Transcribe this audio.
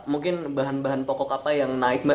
mungkin bahan bahan pokok apa yang naik mbak